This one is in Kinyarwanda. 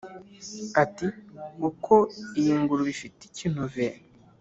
Ati: "Ukwo iyi ngurube ifite ikinove